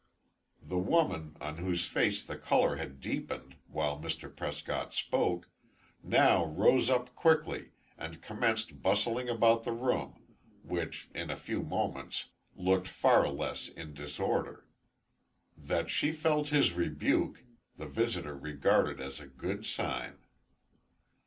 The woman, on whose face the color had deepened while Mr. Prescott spoke, now rose up quickly, and commenced bustling about the room, which, in a few moments, looked far less in disorder. That she felt his rebuke, the visiter regarded as a good sign.